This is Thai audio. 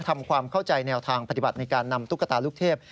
ทำความเข้าใจแนวทางปฏิบัติในการนำตุ๊กตาลูกเทพ